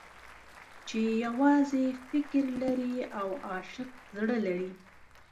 چې يوازې فکر لري او عاشق زړه لري.